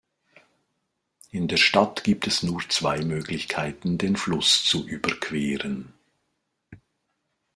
In der Stadt gibt es nur zwei Möglichkeiten, den Fluss zu überqueren.